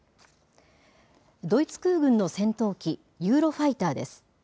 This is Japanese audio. ドイツ空軍の戦闘機、ユーロファイターです。